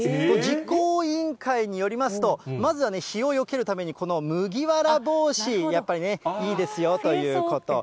実行委員会によりますと、まずはね、日をよけるためにこの麦わら帽子、やっぱりね、いいですよということ。